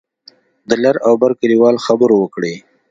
د لر او بر کلیوال خبرو وکړې.